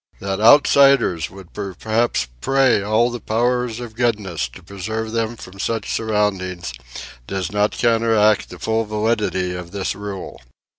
That outsiders would perhaps pray all the powers of goodness to preserve them from such surroundings, does not counteract the full validity of this rule.